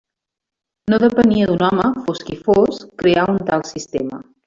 No depenia d'un home, fos qui fos, crear un tal sistema.